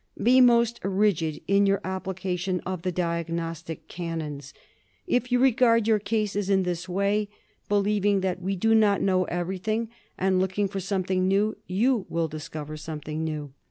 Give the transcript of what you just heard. Be most rigid in your application of the diagnostic canons. If you regard your cases in this way, believing that we do not know everything, and looking for something new, you will discover something new.